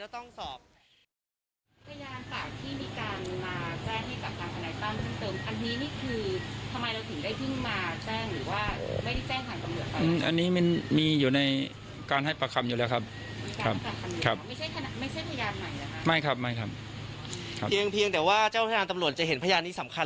ทั้งที่จะเอาผิดแล้วก็พิสูจน์ความวิสุทธิ์ด้วยนะครับ